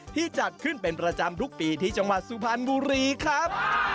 จัดขึ้นเป็นประจำทุกปีที่จังหวัดสุพรรณบุรีครับ